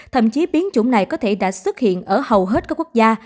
thậm chí biến chủng này có thể đã xuất hiện ở hầu hết các quốc gia